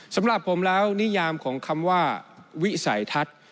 สำหรับผมแล้วนิยามของคำว่าวิสัยทัศน์